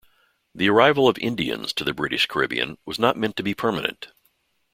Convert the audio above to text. The arrival of Indians to the British Caribbean was not meant to be permanent.